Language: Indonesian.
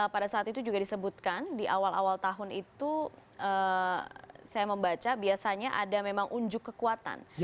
pada saat itu juga disebutkan di awal awal tahun itu saya membaca biasanya ada memang unjuk kekuatan